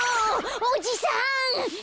おじさん！